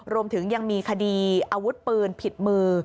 รวมถึงยังมีคดีอาวุธปืนผิดมือ